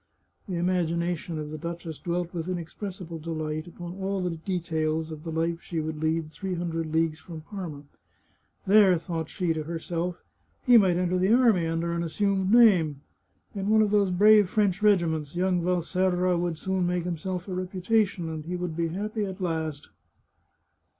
The imagination of the duchess dwelt with inexpressible delight upon all the details of the life she would lead three hundred leagues from Parma. " There," thought she to herself, " he might enter the army under an assumed name. In one of those brave French regiments, young Valserra would soon make himself a reputation, and he would be happy at last."